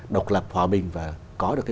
độc lập hòa bình và có được